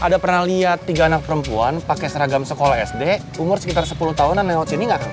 ada pernah lihat tiga anak perempuan pakai seragam sekolah sd umur sekitar sepuluh tahunan lewat sini gak